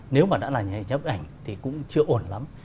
nếu mà đã là những cái bức ảnh thì cũng chưa ổn lắm